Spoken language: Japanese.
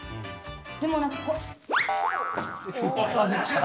でもなんかこう。